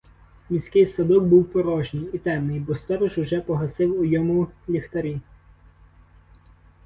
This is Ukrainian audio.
Міський садок був порожній і темний, бо сторож уже погасив у йому ліхтарі.